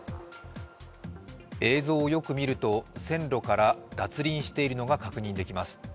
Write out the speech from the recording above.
映像をよく見ると線路から脱輪しているのが確認できます。